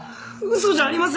嘘じゃありません！